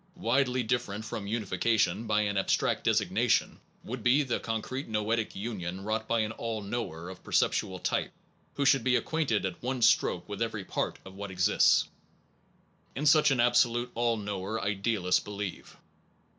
Widely different from unification by an ab stract designation, would be the concrete noetic union wrought by an all knower of perceptual type who should be acquainted at one stroke with every part of what exists. In such an ab solute all knower idealists believe.